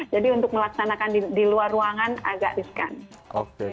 jadi untuk melaksanakan di luar ruangan agak riskan